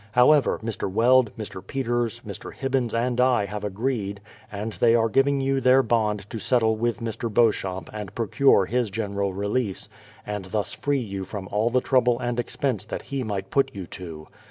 However, Mr. Weld, Mr. Peters, Mr. Hibbins, and I have agreed, and they are giving you their bond to settle with Mr. Beauchamp and procure his general release, and thus free you from all the trouble and expense that he might put you to.